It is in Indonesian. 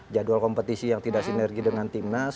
jadwal kompetisi yang tidak sinergi dengan timnas